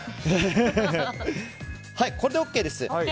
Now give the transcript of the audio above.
これでＯＫです。